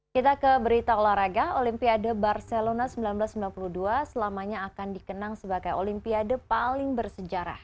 kita ke berita olahraga olimpiade barcelona seribu sembilan ratus sembilan puluh dua selamanya akan dikenang sebagai olimpiade paling bersejarah